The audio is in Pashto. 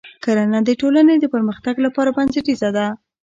کرنه د ټولنې د پرمختګ لپاره بنسټیزه ده.